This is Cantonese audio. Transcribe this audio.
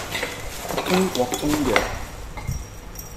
中國中藥